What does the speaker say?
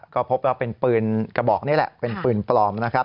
ก็พบว่าเป็นปืนกระบอกนี่แหละเป็นปืนปลอมนะครับ